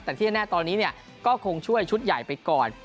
แต่ที่แน่ตอนนี้ก็คงช่วยชุดใหญ่ไปก่อน